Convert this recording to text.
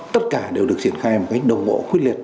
tất cả đều được triển khai một cách đồng bộ quyết liệt